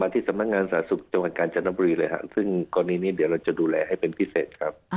ที่สำนักงานสาธารณสุขจังหวัดกาญจนบุรีเลยครับซึ่งกรณีนี้เดี๋ยวเราจะดูแลให้เป็นพิเศษครับ